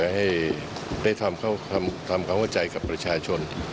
ให้ได้ทำความเข้าใจกับประชาชน